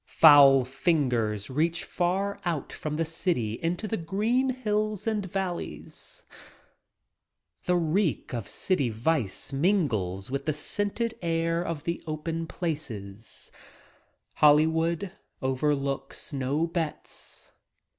Foul fingers reach far out from the city into the green hills and valleys. The reek of city vice mingles with the scented air of the open places — Hollywood overlooks no bets.